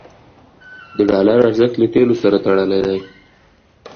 د ډالر ارزښت له تیلو سره تړلی دی.